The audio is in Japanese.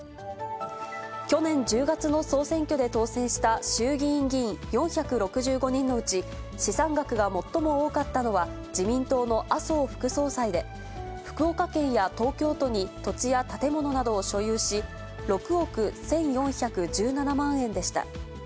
去年１０月の総選挙で当選した衆議院議員４６５人のうち、資産額が最も多かったのは、自民党の麻生副総裁で、福岡県や東京都に土地や建物などを所有し、６億１４１７万円でした。